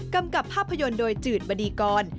กับภาพยนตร์โดยจืดบดีกร